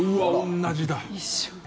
同じだ！